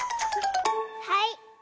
はい！